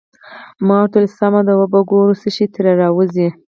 ما ورته وویل: سمه ده، وبه ګورو چې څه شي ترې راوزي.